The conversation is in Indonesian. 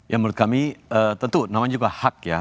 ya menurut kami tentu namanya juga hak ya